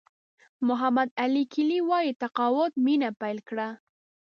محمد علي کلي وایي تقاعد مینه پیل کړه.